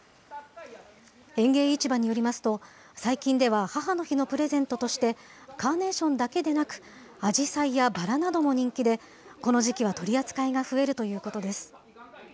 園芸市場によりますと、最近では、母の日のプレゼントとして、カーネーションだけでなく、アジサイやバラなども人気で、この時期は取り扱いが増えるということです。